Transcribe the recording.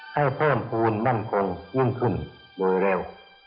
ให้เพิ่มภูมิมั่นคงยิ่งขึ้นโดยเร็ว